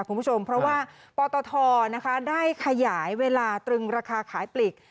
คุณผู้ชมเพราะว่าปตทได้ขยายเวลาตรึงราคาขายปลีก